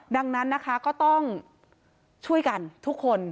ดังนั้นนะคะก็ต้องช่วยกันทุกคน